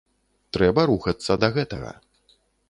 Трэба рухацца да гэтага.